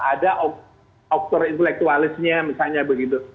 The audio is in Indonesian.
ada aktor intelektualisnya misalnya begitu